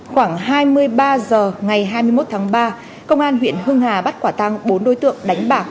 khoảng hai mươi ba h ngày hai mươi một tháng ba công an huyện hưng hà bắt quả tăng bốn đối tượng đánh bạc